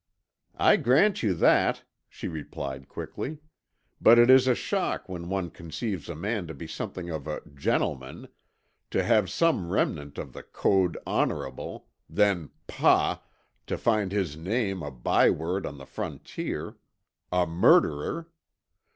"I grant you that," she replied quickly. "But it is a shock, when one conceives a man to be something of a gentleman; to have some remnant of the code honorable—then, pah! to find his name a by word on the frontier. A murderer!